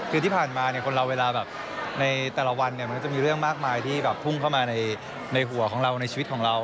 คือที่ผ่านมาเนี่ยคนเราเวลาแบบในแต่ละวันเนี่ยมันก็จะมีเรื่องมากมายที่แบบพุ่งเข้ามาในหัวของเราในชีวิตของเรา